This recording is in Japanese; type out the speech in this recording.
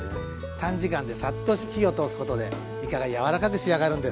短時間でサッと火を通すことでいかが柔らかく仕上がるんです。